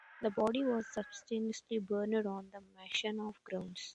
The body was subsequently buried on the mansion grounds.